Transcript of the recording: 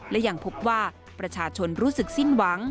และยังพบว่าประชาชนรู้สึกสิ้นหวัง